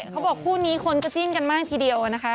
เขาบอกคู่นี้คนก็จิ้นกันมากทีเดียวนะคะ